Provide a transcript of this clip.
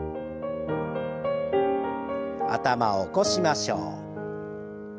頭を起こしましょう。